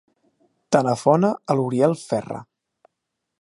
Telefona a l'Uriel Ferra.